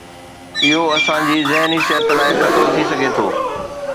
اهو اسان جي ذهني صحت لاء خطرو ٿي سگهي ٿو